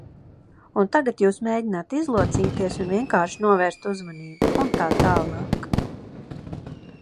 Un tagad jūs mēģināt izlocīties un vienkārši novērst uzmanību, un tā tālāk.